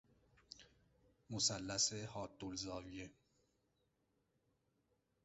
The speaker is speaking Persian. مثلث حادالزاویه